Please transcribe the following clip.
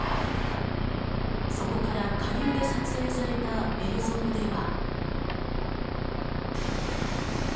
そこから下流で撮影された映像では。